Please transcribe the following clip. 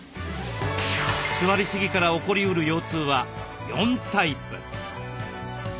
座りすぎから起こりうる腰痛は４タイプ。